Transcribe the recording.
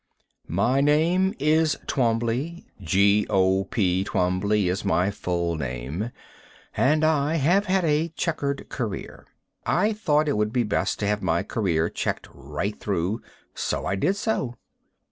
My name is Twombley, G.O.P. Twombley is my full name and I have had a checkered career. I thought it would be best to have my career checked right through, so I did so.